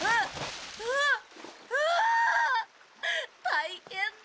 大変だ。